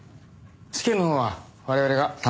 試験のほうは我々が担当しますから。